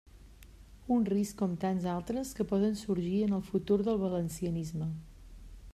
Un risc com tants altres que poden sorgir en el futur del valencianisme.